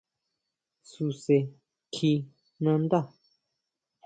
Suse kjí nanda.